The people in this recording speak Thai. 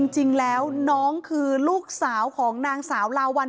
จริงแล้วน้องคือลูกสาวของนางสาวลาวัล